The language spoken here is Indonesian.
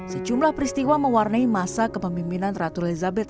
sejumlah peristiwa mewarnai masa kepemimpinan ratu elizabeth